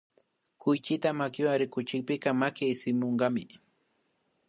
Kuychita makiwan rikuchikpika maki ismunkami